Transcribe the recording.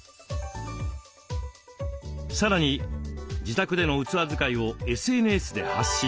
さらに自宅での器使いをＳＮＳで発信。